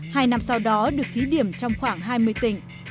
hai năm sau đó được thí điểm trong khoảng hai mươi tỉnh